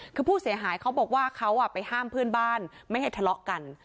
คือผู้เสียหายเขาบอกว่าเขาไปห้ามเพื่อนบ้านไม่ให้ทะเลาะกัน